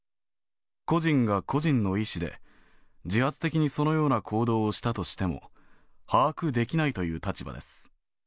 個人が個人の意思で、自発的にそのような行動をしたとしても、把握できないという立場です。